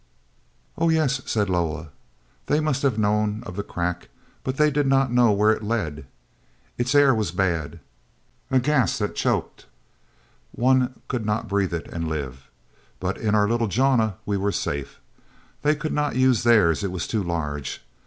"Oh, yes," said Loah, "they must have known of the crack, but they did not know where it led. Its air was bad—a gas that choked; one could not breathe it and live. But in our little jana we were safe. They could not use theirs; it was too large.